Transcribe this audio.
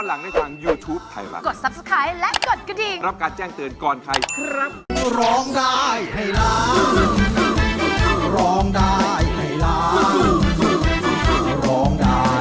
ร้องได้ให้ล้าน